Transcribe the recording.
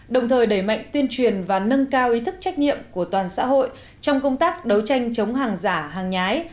đồng thời đẩy mạnh tuyên truyền và nâng cao ý thức trách nhiệm của toàn xã hội trong công tác đấu tranh chống hàng giả hàng nhái